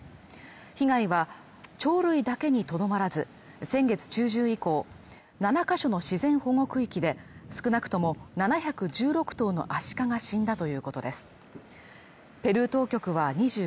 被害は鳥類だけにとどまらず、先月中旬以降、７ヶ所の自然保護区域で少なくとも７１６頭のアシカが死んだということです。